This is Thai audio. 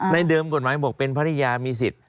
เดิมกฎหมายบอกเป็นภรรยามีสิทธิ์